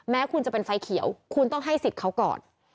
แม้คุณจะเป็นไฟเขียวคุณต้องให้สิทธิ์เขาก่อน